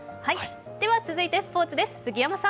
では続いてスポーツです。